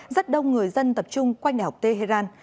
rất đông người dân tập trung quanh đại học tehran